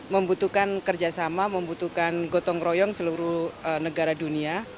membutuhkan kerjasama membutuhkan gotong royong seluruh negara dunia